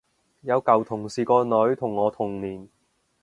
有舊同事個女同我同年